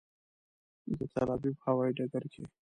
د تل ابیب هوایي ډګر کې.